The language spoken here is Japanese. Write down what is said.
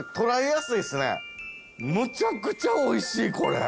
むちゃくちゃおいしいこれ。